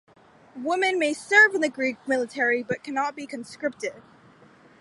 Women may serve in the Greek military, but cannot be conscripted.